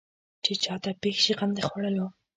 چې چا ته پېښ شي غم د خوړلو.